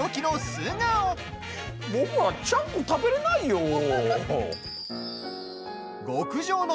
僕はちゃんこ食べれないよ！